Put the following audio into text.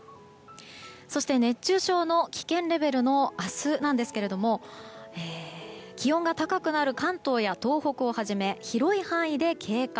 そして熱中症の危険レベル明日なんですが気温が高くなる関東や東北をはじめ広い範囲で警戒。